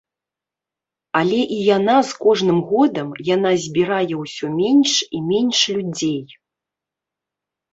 Але і яна з кожным годам яна збірае ўсё менш і менш людзей.